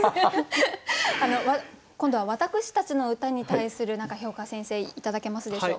今度は私たちの歌に対する評価先生頂けますでしょうか。